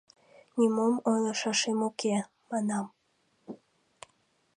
«Нимом ойлышашем уке, — манам.